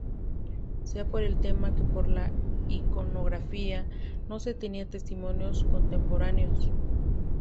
Sea por el tema que por la iconografía no se tenían testimonios contemporáneos.